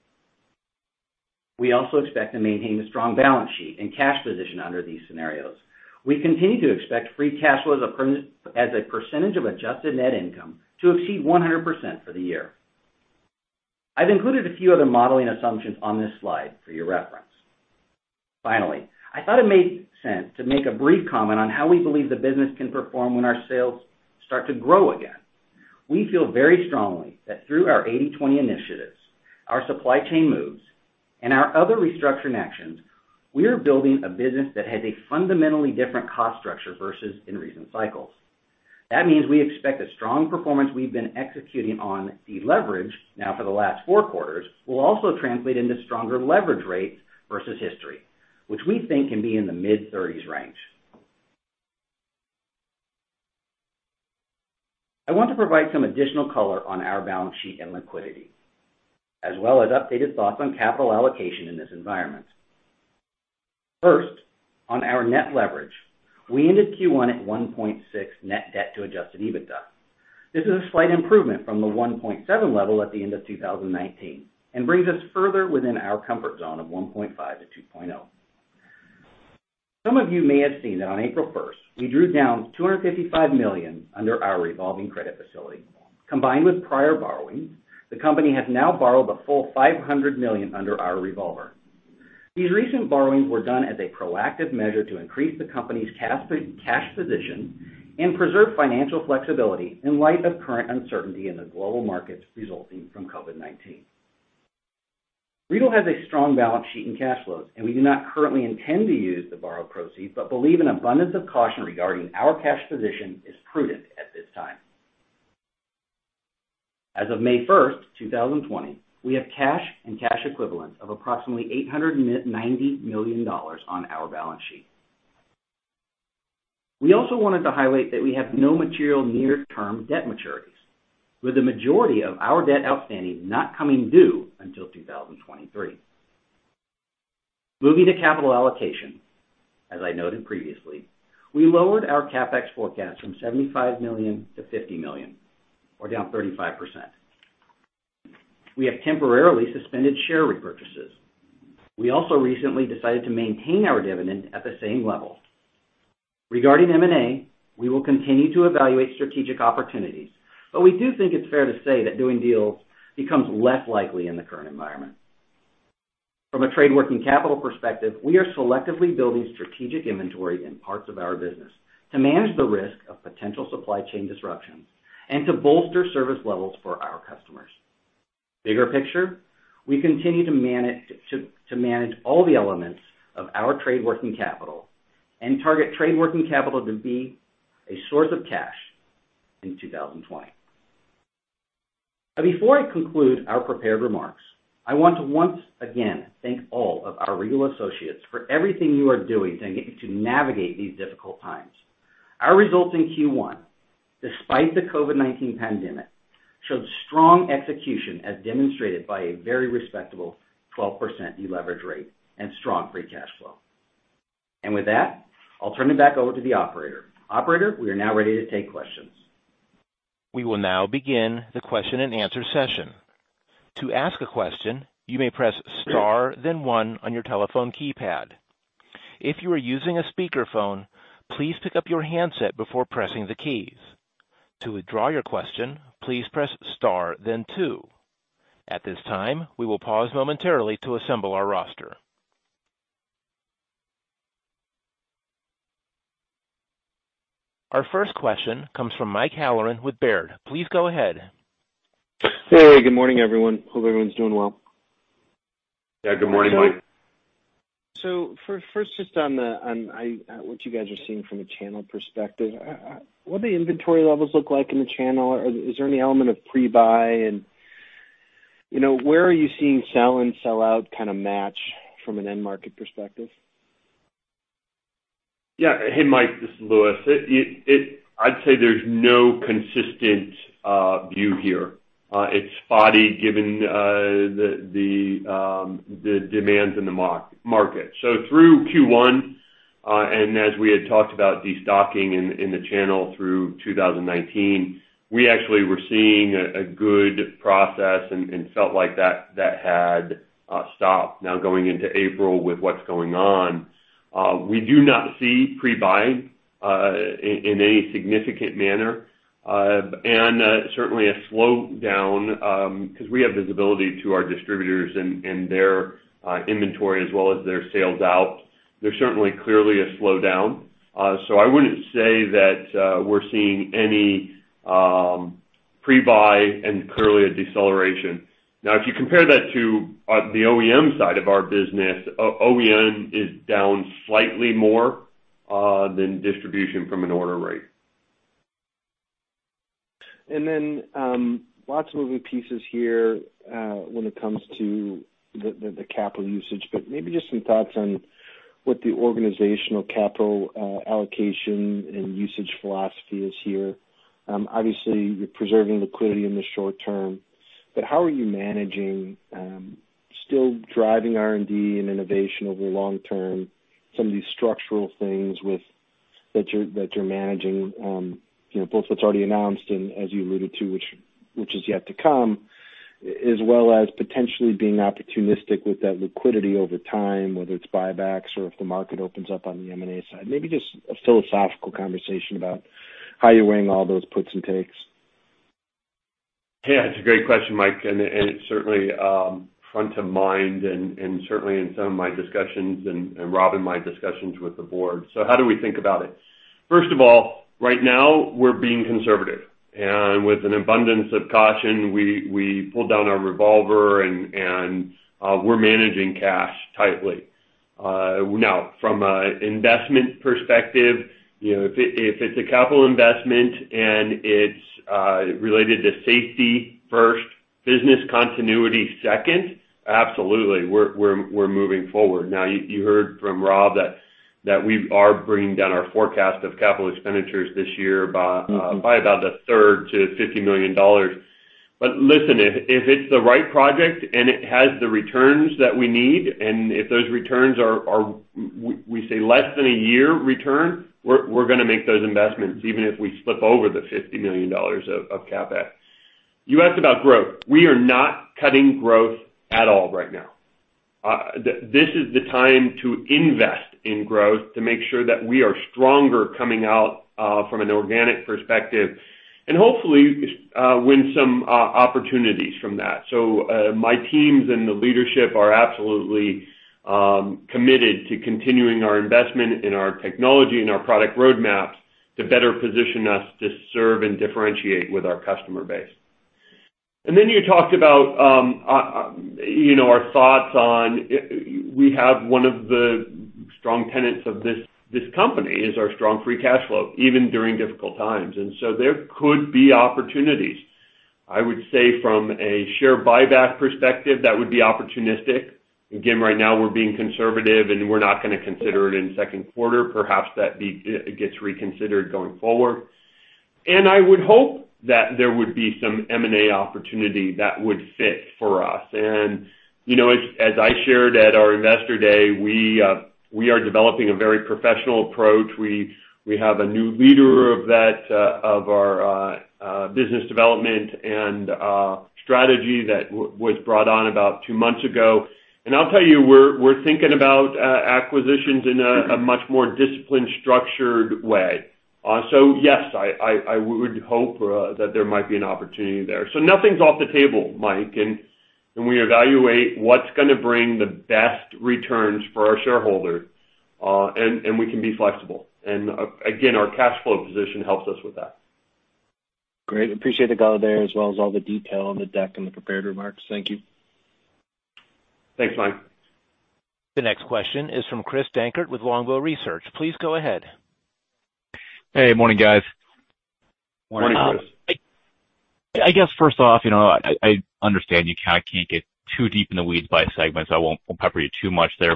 We also expect to maintain a strong balance sheet and cash position under these scenarios. We continue to expect free cash flow as a percentage of adjusted net income to exceed 100% for the year. I've included a few of the modeling assumptions on this slide for your reference. Finally, I thought it made sense to make a brief comment on how we believe the business can perform when our sales start to grow again. We feel very strongly that through our 80/20 initiatives, our supply chain moves, and our other restructuring actions, we are building a business that has a fundamentally different cost structure versus in recent cycles. That means we expect the strong performance we've been executing on deleverage now for the last four quarters will also translate into stronger leverage rates versus history, which we think can be in the mid-30s range. I want to provide some additional color on our balance sheet and liquidity, as well as updated thoughts on capital allocation in this environment. First, on our net leverage, we ended Q1 at 1.6 net debt to adjusted EBITDA. This is a slight improvement from the 1.7 level at the end of 2019 and brings us further within our comfort zone of 1.5-2.0. Some of you may have seen that on April 1, we drew down $255 million under our revolving credit facility. Combined with prior borrowings, the company has now borrowed the full $500 million under our revolver. These recent borrowings were done as a proactive measure to increase the company's cash position and preserve financial flexibility in light of current uncertainty in the global markets resulting from COVID-19. Regal has a strong balance sheet and cash flows. We do not currently intend to use the borrowed proceeds but believe an abundance of caution regarding our cash position is prudent at this time. As of May first, 2020, we have cash and cash equivalents of approximately $890 million on our balance sheet. We also wanted to highlight that we have no material near-term debt maturities, with the majority of our debt outstanding not coming due until 2023. Moving to capital allocation, as I noted previously, we lowered our CapEx forecast from $75 million-$50 million, or down 35%. We have temporarily suspended share repurchases. We also recently decided to maintain our dividend at the same level. Regarding M&A, we will continue to evaluate strategic opportunities, but we do think it's fair to say that doing deals becomes less likely in the current environment. From a trade working capital perspective, we are selectively building strategic inventory in parts of our business to manage the risk of potential supply chain disruptions and to bolster service levels for our customers. Bigger picture, we continue to manage all the elements of our trade working capital and target trade working capital to be a source of cash in 2020. Before I conclude our prepared remarks, I want to once again thank all of our Regal associates for everything you are doing to navigate these difficult times. Our results in Q1, despite the COVID-19 pandemic, showed strong execution as demonstrated by a very respectable 12% deleverage rate and strong free cash flow. With that, I'll turn it back over to the operator. Operator, we are now ready to take questions. We will now begin the question and answer session. To ask a question, you may press star, then one on your telephone keypad. If you are using a speakerphone, please pick up your handset before pressing the keys. To withdraw your question, please press star then two. At this time, we will pause momentarily to assemble our roster. Our first question comes from Mike Halloran with Baird. Please go ahead. Hey, good morning, everyone. Hope everyone's doing well. Yeah, good morning, Mike. First, just on what you guys are seeing from a channel perspective, what do the inventory levels look like in the channel? Is there any element of pre-buy and where are you seeing sell and sell out kind of match from an end market perspective? Yeah. Hey, Mike, this is Louis. I'd say there's no consistent view here. It's spotty given the demands in the market. Through Q1, and as we had talked about de-stocking in the channel through 2019, we actually were seeing a good process and felt like that had stopped now going into April with what's going on. We do not see pre-buy in a significant manner. Certainly a slowdown, because we have visibility to our distributors and their inventory as well as their sales out. There's certainly clearly a slowdown. I wouldn't say that we're seeing any pre-buy and clearly a deceleration. Now, if you compare that to the OEM side of our business, OEM is down slightly more than distribution from an order rate. Lots of moving pieces here when it comes to the capital usage, but maybe just some thoughts on what the organizational capital allocation and usage philosophy is here. Obviously, you're preserving liquidity in the short term, but how are you managing still driving R&D and innovation over the long term, some of these structural things that you're managing, both what's already announced and as you alluded to, which is yet to come, as well as potentially being opportunistic with that liquidity over time, whether it's buybacks or if the market opens up on the M&A side. Maybe just a philosophical conversation about how you're weighing all those puts and takes. Yeah, it's a great question, Mike, and it's certainly front of mind and certainly in some of my discussions and Rob and my discussions with the board. How do we think about it? First of all, right now we're being conservative and with an abundance of caution, we pulled down our revolver and we're managing cash tightly. Now, from an investment perspective, if it's a capital investment and it's related to safety first. Business continuity second, absolutely. We're moving forward. You heard from Rob that we are bringing down our forecast of capital expenditures this year by about a third to $50 million. Listen, if it's the right project and it has the returns that we need, and if those returns are, we say, less than a year return, we're going to make those investments even if we slip over the $50 million of CapEx. You asked about growth. We are not cutting growth at all right now. This is the time to invest in growth to make sure that we are stronger coming out from an organic perspective, and hopefully win some opportunities from that. My teams and the leadership are absolutely committed to continuing our investment in our technology and our product roadmaps to better position us to serve and differentiate with our customer base. You talked about one of the strong tenets of this company is our strong free cash flow, even during difficult times. There could be opportunities. I would say from a share buyback perspective, that would be opportunistic. Again, right now we're being conservative, and we're not going to consider it in second quarter. Perhaps that gets reconsidered going forward. I would hope that there would be some M&A opportunity that would fit for us. As I shared at our Investor Day, we are developing a very professional approach. We have a new leader of our business development and strategy that was brought on about two months ago. I'll tell you, we're thinking about acquisitions in a much more disciplined, structured way. Yes, I would hope that there might be an opportunity there. Nothing's off the table, Mike, and we evaluate what's going to bring the best returns for our shareholders, and we can be flexible. Again, our cash flow position helps us with that. Great. Appreciate the color there as well as all the detail on the deck and the prepared remarks. Thank you. Thanks, Mike. The next question is from Chris Dankert with Longbow Research. Please go ahead. Hey, morning, guys. Morning, Chris. I guess first off, I understand you can't get too deep in the weeds by segment. I won't pepper you too much there.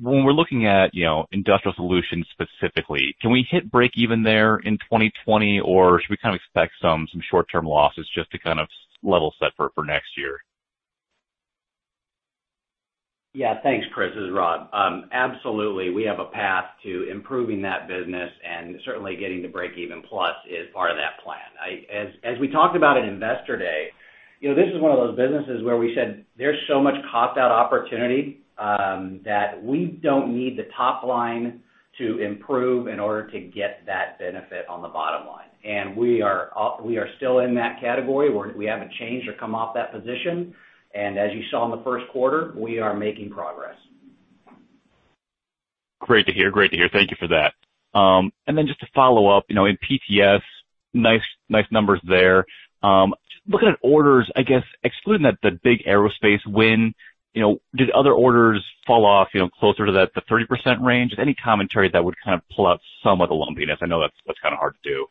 When we're looking at Industrial Solutions specifically, can we hit breakeven there in 2020, or should we kind of expect some short-term losses just to kind of level set for next year? Thanks, Chris. This is Rob. Absolutely, we have a path to improving that business, and certainly getting to breakeven plus is part of that plan. As we talked about at Investor Day, this is one of those businesses where we said there's so much cost out opportunity that we don't need the top line to improve in order to get that benefit on the bottom line. We are still in that category. We haven't changed or come off that position. As you saw in the first quarter, we are making progress. Great to hear. Thank you for that. Just to follow up, in PTS, nice numbers there. Looking at orders, I guess excluding the big aerospace win, did other orders fall off closer to the 30% range? Any commentary that would kind of pull out some of the lumpiness? I know that's kind of hard to do.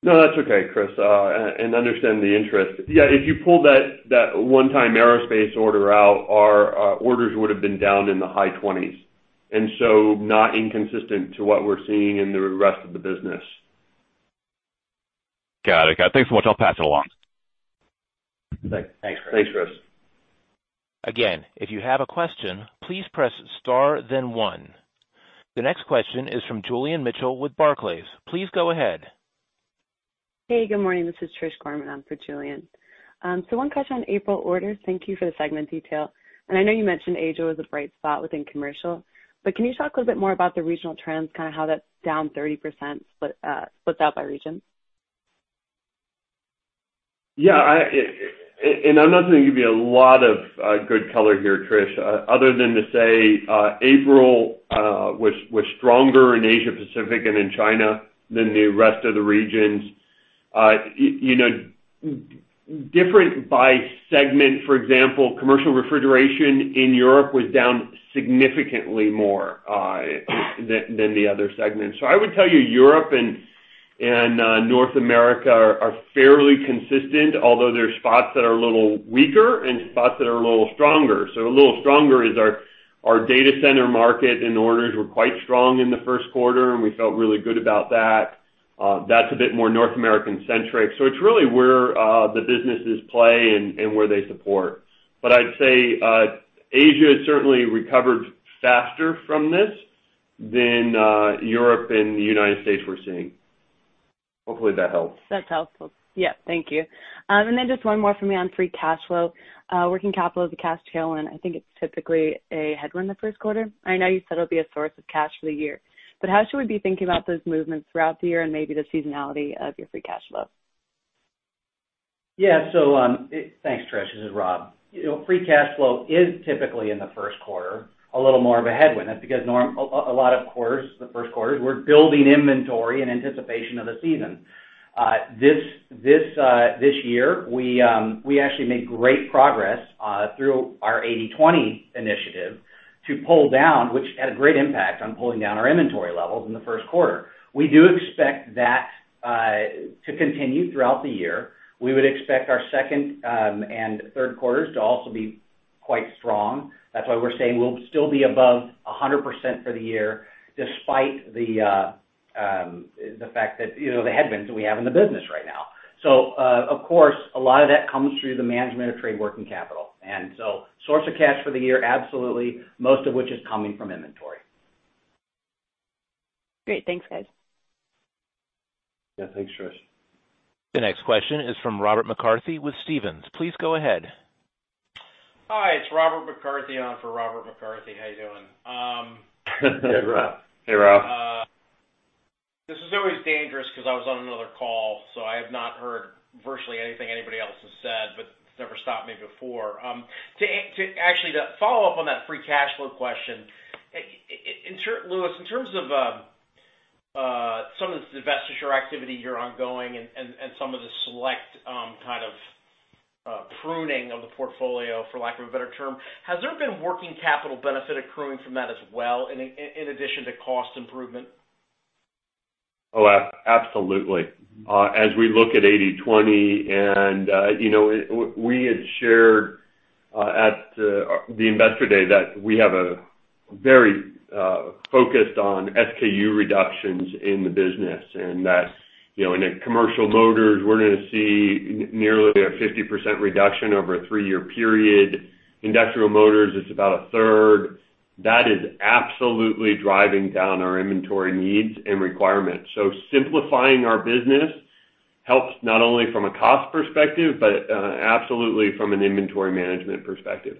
No, that's okay, Chris, and understand the interest. Yeah, if you pull that one-time aerospace order out, our orders would've been down in the high 20s. Not inconsistent to what we're seeing in the rest of the business. Got it. Thanks so much. I'll pass it along. Thanks. Thanks, Chris. If you have a question, please press star then one. The next question is from Julian Mitchell with Barclays. Please go ahead. Hey, good morning. This is Trish Gorman in for Julian. One question on April orders. Thank you for the segment detail. I know you mentioned Asia was a bright spot within commercial, but can you talk a little bit more about the regional trends, kind of how that's down 30% split by region? Yeah. I'm not going to give you a lot of good color here, Trish, other than to say April was stronger in Asia Pacific and in China than the rest of the regions. Different by segment, for example, commercial refrigeration in Europe was down significantly more than the other segments. I would tell you Europe and North America are fairly consistent, although there are spots that are a little weaker and spots that are a little stronger. A little stronger is our data center market and orders were quite strong in the first quarter, and we felt really good about that. That's a bit more North American-centric. It's really where the businesses play and where they support. I'd say Asia has certainly recovered faster from this than Europe and the United States we're seeing. Hopefully that helps. That's helpful. Yeah. Thank you. Just one more for me on free cash flow. Working capital is a cash tailwind. I think it's typically a headwind the first quarter. I know you said it'll be a source of cash for the year, how should we be thinking about those movements throughout the year and maybe the seasonality of your free cash flow? Yeah. Thanks, Trish. This is Rob. Free cash flow is typically in the first quarter, a little more of a headwind. That's because a lot of quarters, the first quarters, we're building inventory in anticipation of the season. This year, we actually made great progress through our 80/20 initiative to pull down, which had a great impact on pulling down our inventory levels in the first quarter. We do expect that to continue throughout the year. We would expect our second and third quarters to also be quite strong. That's why we're saying we'll still be above 100% for the year despite the headwinds that we have in the business right now. Of course, a lot of that comes through the management of trade working capital. Source of cash for the year, absolutely, most of which is coming from inventory. Great. Thanks, guys. Yeah, thanks, Trish. The next question is from Robert McCarthy with Stephens. Please go ahead. Hi, it's Robert McCarthy on for Robert McCarthy, how you doing? Hey, Rob. Hey, Rob. This is always dangerous because I was on another call, so I have not heard virtually anything anybody else has said, but it's never stopped me before. Actually, to follow up on that free cash flow question, Louis, in terms of some of the divestiture activity you're ongoing and some of the select kind of pruning of the portfolio, for lack of a better term, has there been working capital benefit accruing from that as well in addition to cost improvement? Oh, absolutely. As we look at 80/20, and we had shared at the Investor Day that we have a very focused on SKU reductions in the business, and that in Commercial Motors, we're going to see nearly a 50% reduction over a three-year period. Industrial Motors, it's about a third. That is absolutely driving down our inventory needs and requirements. Simplifying our business helps not only from a cost perspective, but absolutely from an inventory management perspective.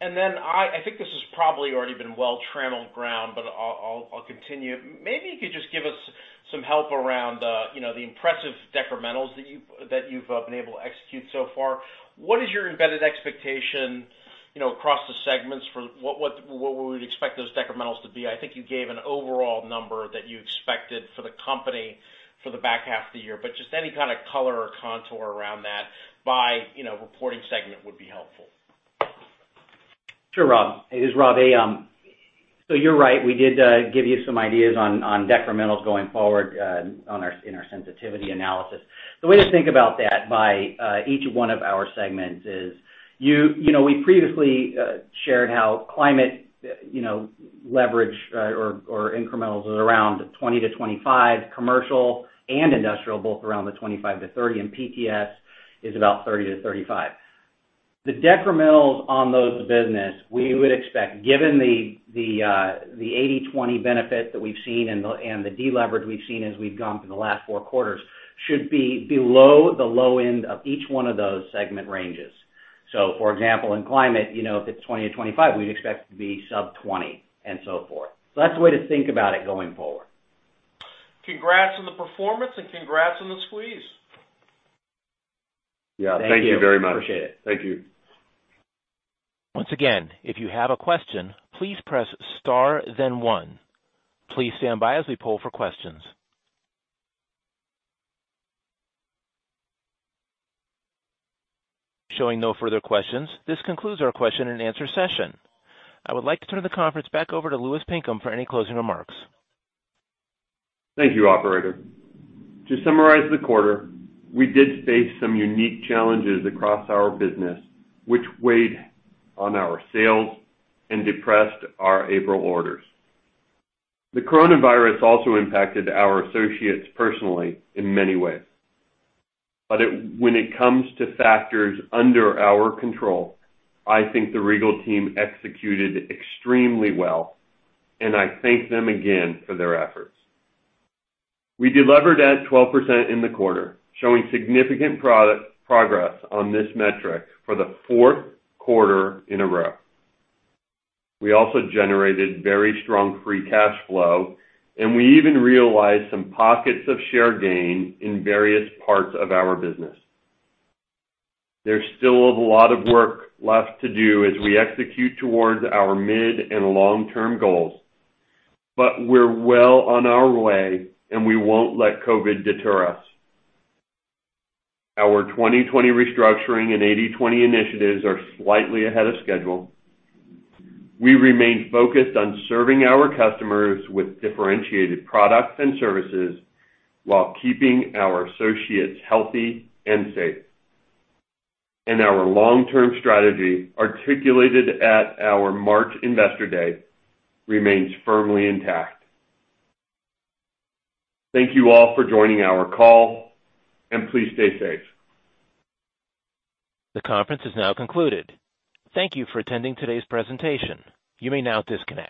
I think this has probably already been well-trammeled ground, but I'll continue. Maybe you could just give us some help around the impressive decrementals that you've been able to execute so far. What is your embedded expectation across the segments for what we would expect those decrementals to be? I think you gave an overall number that you expected for the company for the back half of the year, but just any kind of color or contour around that by reporting segment would be helpful. Sure, Rob. You're right, we did give you some ideas on decrementals going forward in our sensitivity analysis. The way to think about that by each one of our segments is, we previously shared how Climate leverage or incrementals was around 20-25, Commercial and Industrial, both around the 25-30, and PTS is about 30-35. The decrementals on those business, we would expect, given the 80/20 benefit that we've seen and the deleverage we've seen as we've gone through the last four quarters, should be below the low end of each one of those segment ranges. For example, in Climate, if it's 20-25, we'd expect it to be sub 20 and so forth. That's the way to think about it going forward. Congrats on the performance and congrats on the squeeze. Yeah. Thank you very much. Thank you. Appreciate it. Thank you. Once again, if you have a question, please press star then one. Please stand by as we poll for questions. Showing no further questions. This concludes our question and answer session. I would like to turn the conference back over to Louis Pinkham for any closing remarks. Thank you, operator. To summarize the quarter, we did face some unique challenges across our business, which weighed on our sales and depressed our April orders. The coronavirus also impacted our associates personally in many ways. When it comes to factors under our control, I think the Regal team executed extremely well, and I thank them again for their efforts. We delevered at 12% in the quarter, showing significant progress on this metric for the fourth quarter in a row. We also generated very strong free cash flow, and we even realized some pockets of share gain in various parts of our business. There's still a lot of work left to do as we execute towards our mid and long-term goals, but we're well on our way, and we won't let COVID deter us. Our 2020 restructuring and 80/20 initiatives are slightly ahead of schedule. We remain focused on serving our customers with differentiated products and services while keeping our associates healthy and safe. Our long-term strategy articulated at our March Investor Day remains firmly intact. Thank you all for joining our call, and please stay safe. The conference is now concluded. Thank you for attending today's presentation. You may now disconnect.